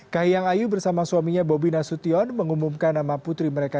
kahiyang ayu bersama suaminya bobi nasution mengumumkan nama putri mereka